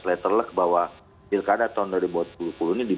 letter lag bahwa pilkada tahun dua ribu dua puluh ini dibuat harus diserbitkan